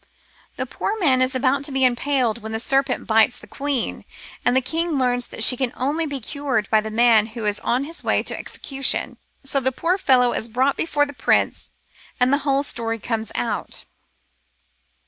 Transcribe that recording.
The poor man is about to be impaled when the serpent bites the queen ; and the king learns that she can only be cured by the man who is on his way to execution. So the poor fellow is brought before the prince and the whole story comes out.